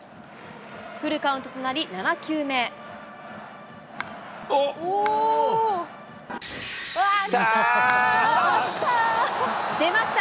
フルカウントとなり、７球目。出ました！